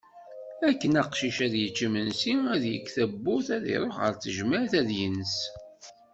Akken, aqcic ad yečč imensi, ad yekk tawwurt ad iruḥ ɣer tejmeɛt ad ines.